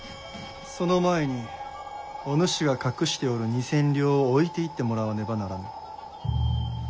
その前にお主が隠しておる２千両を置いていってもらわねばならぬ。